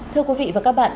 thưa quý vị và các bạn